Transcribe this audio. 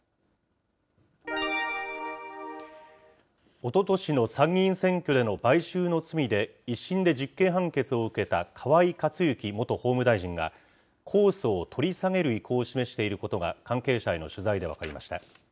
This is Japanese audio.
おととしの参議院選挙での買収の罪で１審で実刑判決を受けた河井克行元法務大臣が、控訴を取り下げる意向を示していることが、関係者への取材で分かりました。